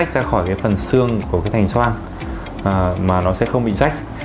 ra khỏi cái phần xương của cái thành xoan mà nó sẽ không bị rách